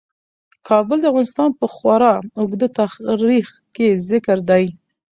کابل د افغانستان په خورا اوږده تاریخ کې ذکر دی.